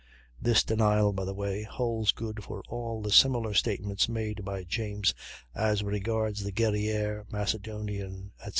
This denial, by the way, holds good for all the similar statements made by James as regards the Guerrièrre, Macedonian, etc.